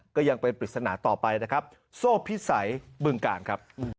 ก็ยังเป็นปริศนาต่อไปโซ่พิสัยเบื้องกาลครับ